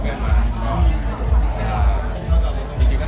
ก็อื่นที่นี่ก็ชอบดีกว่า